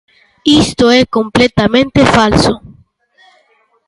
Isto é completamente falso.